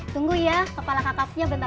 tunggu ya kepala kakapnya bentar lagi mateng